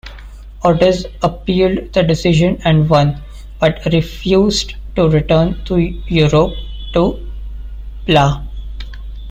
Ortiz appealed the decision and won, but refused to return to Europe to pla.